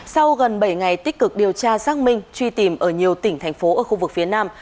sau gần bảy ngày tích cực điều tra xác minh truy tìm ở nhiều tỉnh thành phố ở khu vực phía nam